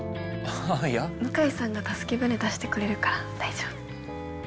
向井さんが助け舟出してくれるから大丈夫。